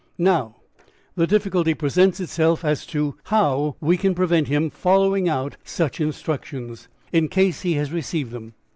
"Now, the difficulty presents itself as to how we can prevent him following out such instructions, in case he has received them.